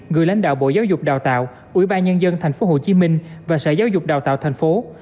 gửi lãnh đạo bộ giáo dục đào tạo ủy ban nhân dân tp hcm và sở giáo dục đào tạo tp hcm